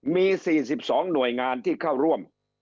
มี๔๒หน่วยงานที่เข้าร่วม